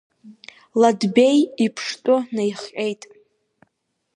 Ладбеи иԥштәы наихҟьеит.